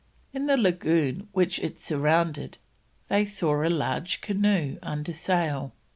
In the lagoon which it surrounded they saw a large canoe under sail.